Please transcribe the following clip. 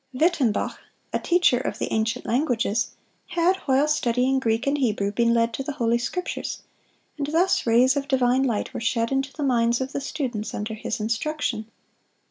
Wittembach, a teacher of the ancient languages, had, while studying Greek and Hebrew, been led to the Holy Scriptures, and thus rays of divine light were shed into the minds of the students under his instruction.